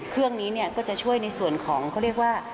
เครื่องนี้ก็จะช่วยในส่วนของเขาเรียกว่า